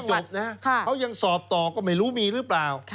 แล้วก็ยังไม่จบนะครับเขายังสอบต่อก็ไม่รู้มีหรือเปล่า